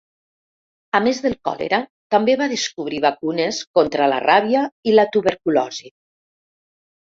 A més del còlera, també va descobrir vacunes contra la ràbia i la tuberculosi.